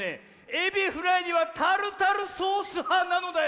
エビフライにはタルタルソースはなのだよ。